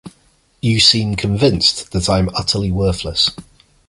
You seem convinced that I'm utterly worthless.